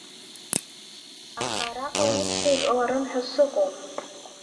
Аха араҟа усҵәҟьа иҟаларым ҳәа сыҟоуп…